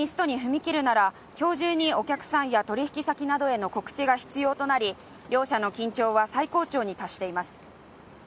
仮にストに踏み切るなら今日中にお客さんや取引先などへの告知が必要となり両者の緊張は最高潮に達しています